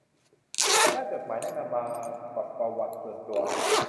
ฉันแนบจดหมายแนะนำตัวมากับปะวัติส่วนตัว